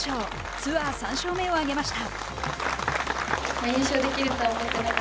ツアー３勝目を挙げました。